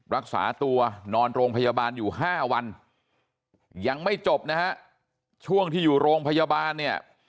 รักษาตัวนอนโรงพยาบาลอยู่๕วันยังไม่จบนะฮะช่วงที่อยู่โรงพยาบาลเนี่ย